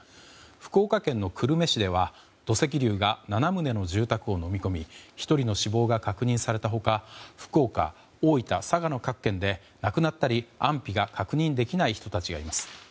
福岡県の久留米市では土石流が７棟の住宅をのみ込み１人の死亡が確認された他福岡、大分、佐賀の各県で亡くなったり、安否が確認できない人たちがいます。